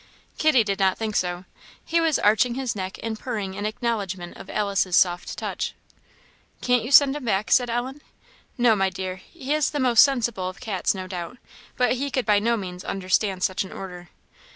Kitty did not think so; he was arching his neck and purring in acknowledgment of Alice's soft touch. "Can't you send him back?" said Ellen. "No, my dear; he is the most sensible of cats, no doubt, but he could by no means understand such an order.